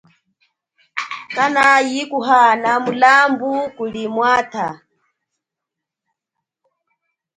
Kanayi kuhana mulambu kuli mwatha.